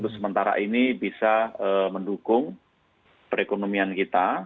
sementara ini bisa mendukung perekonomian kita